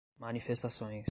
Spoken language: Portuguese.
manifestações